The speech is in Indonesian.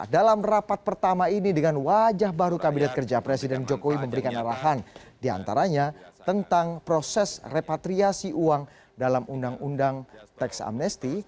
dalam rapat pertama ini dengan wajah baru kabinet kerja presiden jokowi memberikan arahan diantaranya tentang proses repatriasi uang dalam undang undang teks amnesti